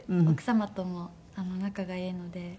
奥様とも仲がいいので。